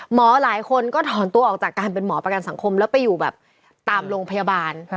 หลายคนก็ถอนตัวออกจากการเป็นหมอประกันสังคมแล้วไปอยู่แบบตามโรงพยาบาล